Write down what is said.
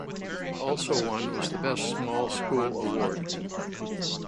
Also won was the best small school award.